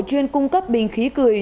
chuyên cung cấp bình khí cười